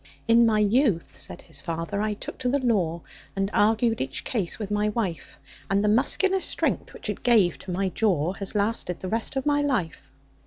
"In my youth," said his fater, "I took to the law, And argued each case with my wife; And the muscular strength, which it gave to my jaw, Has lasted the rest of my life."